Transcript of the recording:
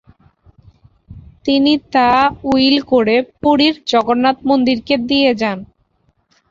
তিনি তা উইল করে পুরীর জগন্নাথ মন্দিরকে দিয়ে যান।